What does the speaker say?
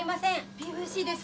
ＰＶＣです。